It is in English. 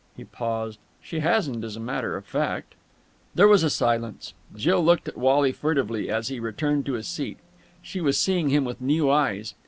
He paused. "She hasn't, as a matter of fact." There was a silence. Jill looked at Wally furtively as he returned to his seat. She was seeing him with new eyes.